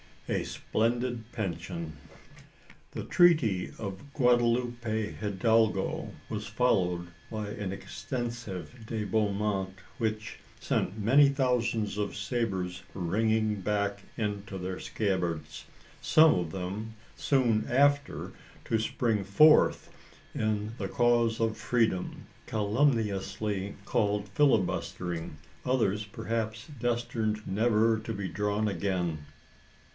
A SPLENDID PENSION. The treaty of Guadalupe Hidalogo was followed by an extensive debandement, which sent many thousands of sabres ringing back into their scabbards some of them soon after to spring forth in the cause of freedom, calumniously called "filibustering;" others perhaps destined never to be drawn again.